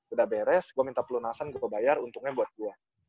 udah beres gue minta pelunasan gue bayar untungnya buat gue